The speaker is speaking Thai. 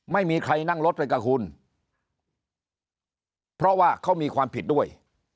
ไม่มีใครนั่งรถไปกับคุณเพราะว่าเขามีความผิดด้วย